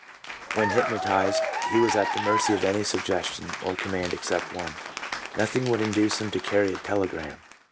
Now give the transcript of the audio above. When hypno tized, he was at the mercy of any suggestion or command except one: nothing would induce him to carry a telegram.